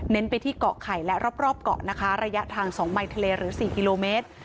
ไปที่เกาะไข่และรอบเกาะนะคะระยะทาง๒ไมค์ทะเลหรือ๔กิโลเมตร